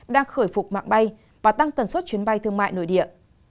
đang khởi phục mạng bay và tăng tần suất chuyến bay thương mại nội địa